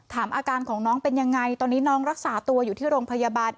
อาการของน้องเป็นยังไงตอนนี้น้องรักษาตัวอยู่ที่โรงพยาบาล